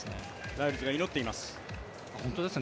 ライルズが祈っています。